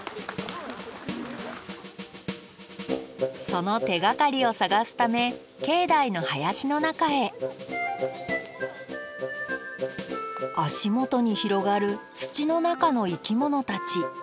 その手がかりを探すため境内の林の中へ足元に広がる土の中の生き物たち。